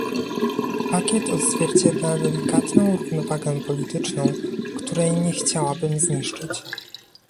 Pakiet odzwierciedla delikatną równowagę polityczną, której nie chciałabym zniszczyć